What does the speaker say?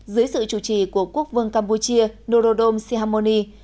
dưới sự chủ trì của quốc vương campuchia norodom sihamoni